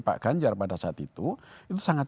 pak ganjar pada saat itu itu sangat